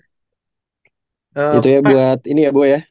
itu ya buat ini ya bu ya